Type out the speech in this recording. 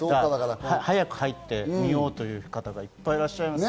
早く入ってみようという方がいっぱい、いらっしゃいますね。